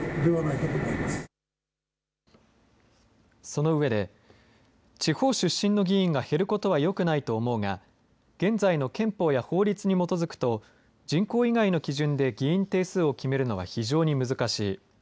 その上で地方出身の議員が減ることはよくないと思うが現在の憲法や法律に基づくと人口以外の基準で議員定数を決めるのは非常に難しい。